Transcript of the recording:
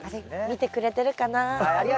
見てくれてるかな。